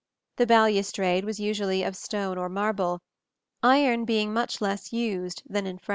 The balustrade was usually of stone or marble, iron being much less used than in France.